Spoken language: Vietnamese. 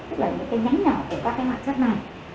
tức là những cái nhánh nhỏ của các cái hoạt chất này